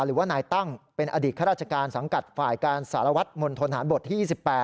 หรือว่านายตั้งเป็นอดีตข้าราชการสังกัดฝ่ายการสารวัตรมณฑนฐานบทที่๒๘